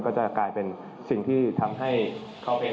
ก็จะกลายเป็นสิ่งที่ทำให้เขาเอง